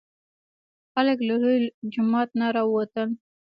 خلک له لوی جومات نه راوتل.